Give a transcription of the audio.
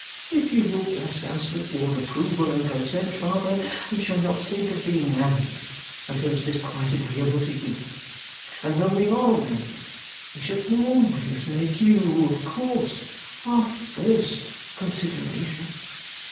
If you will bless us with your approval and consent, father, we shall not think of being married until it is quite agreeable to you; and when we ARE married, we shall always make you of course our first consideration.